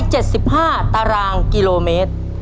ตัวเลือกที่สาม๓๐๕ตารางกิโลเมตร